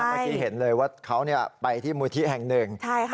เมื่อกี้เห็นเลยว่าเขาไปที่มูลที่แห่งหนึ่ง